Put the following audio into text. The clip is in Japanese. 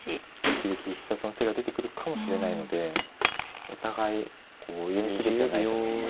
一撃必殺の手が出てくるかもしれないのでお互いこう読みきれてないと思います。